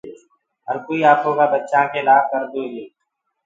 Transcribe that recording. هر ڪوئي اپوڪآ بچآ ڪي لآ ڪردو هي۔